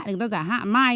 người ta giả hạ mai